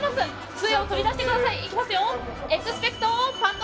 杖を取り出してくださいいきますよ・